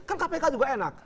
kan kpk juga enak